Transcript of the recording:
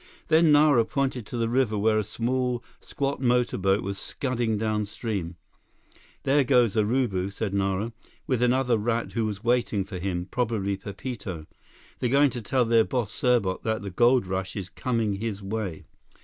Then Nara pointed to the river where a small, squat motorboat was scudding downstream. "There goes Urubu," said Nara, "with another rat who was waiting for him, probably Pepito. They're going to tell their boss Serbot that the gold rush is coming his way."